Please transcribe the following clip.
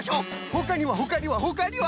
ほかにはほかにはほかには？